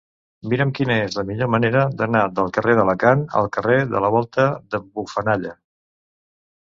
Mira'm quina és la millor manera d'anar del carrer d'Alacant al carrer de la Volta d'en Bufanalla.